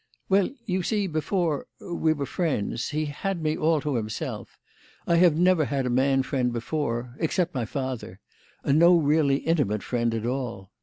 "Well, you see, before we were friends, he had me all to himself. I have never had a man friend before except my father and no really intimate friend at all.